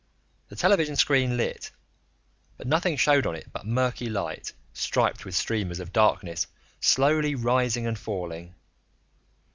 The television screen lit, but nothing showed on it but murky light, striped with streamers of darkness slowly rising and falling.